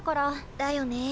だよね